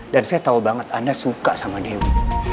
dan saya tahu banget anda suka sama dewi